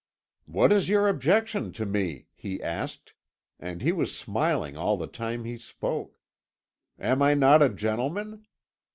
'What is your objection to me?' he asked, and he was smiling all the time he spoke. 'Am I not a gentleman?'